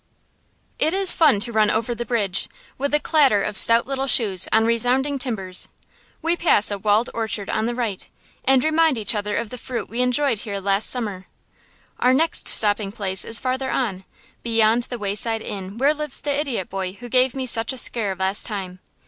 It is fun to run over the bridge, with a clatter of stout little shoes on resounding timbers. We pass a walled orchard on the right, and remind each other of the fruit we enjoyed here last summer. Our next stopping place is farther on, beyond the wayside inn where lives the idiot boy who gave me such a scare last time.